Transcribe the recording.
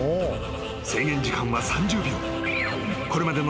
［制限時間は３０秒］